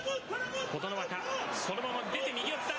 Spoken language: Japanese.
琴ノ若、そのまま出て右四つだ。